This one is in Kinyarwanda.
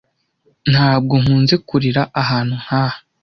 Ntabwo nkunze kurira ahantu nkaha.